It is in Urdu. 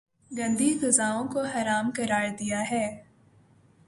گندی غذاؤں کو حرام قراردیا ہے